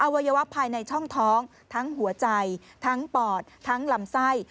วัยวะภายในช่องท้องทั้งหัวใจทั้งปอดทั้งลำไส้